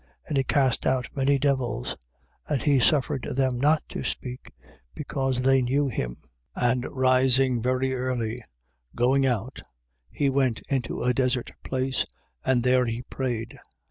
And he cast out many devils: and he suffered them not to speak, because they knew him. 1:35. And rising very early, going out, he went into a desert place: and there he prayed.